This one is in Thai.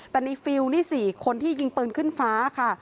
แต่ในฟิลนี่๔คนที่ยิงปืนขึ้นฟ้าค่ะ